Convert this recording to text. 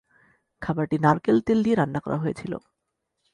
খাবারটি নারকেল তেল দিয়ে রান্না করা হয়েছিল।